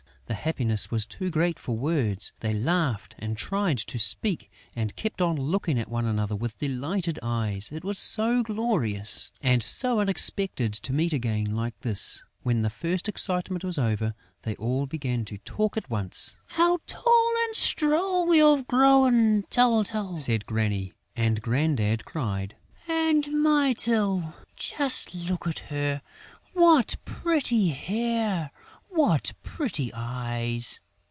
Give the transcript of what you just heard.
The happiness was too great for words. They laughed and tried to speak and kept on looking at one another with delighted eyes: it was so glorious and so unexpected to meet again like this. When the first excitement was over, they all began to talk at once: "How tall and strong you've grown, Tyltyl!" said Granny. And Grandad cried: "And Mytyl! Just look at her! What pretty hair, what pretty eyes!"